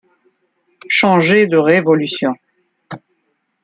Changer de révolution.